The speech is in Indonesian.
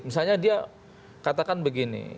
misalnya dia katakan begini